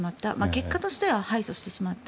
結果としては敗訴してしまった。